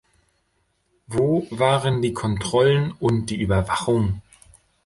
Wo waren die Kontrollen und die Überwachung?